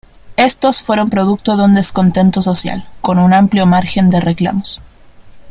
Estos fueron producto de un descontento social, con un amplio margen de reclamos.